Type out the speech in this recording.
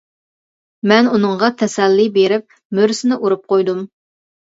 مەن ئۇنىڭغا تەسەللى بېرىپ مۈرىسىنى ئۇرۇپ قويدۇم.